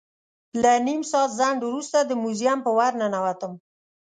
له نیم ساعت ځنډ وروسته د موزیم په ور ننوتم.